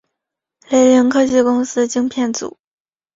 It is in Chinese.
雷凌科技公司晶片组。